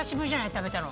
食べたの。